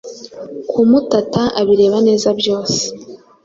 kumutata abireba neza byose